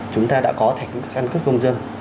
chúng ta đã có thẻ căn cứ công dân